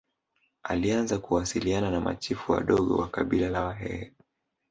Alianza kuwasiliana na machifu wadogo wa kabila la Wahehe